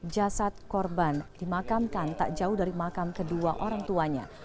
jasad korban dimakamkan tak jauh dari makam kedua orang tuanya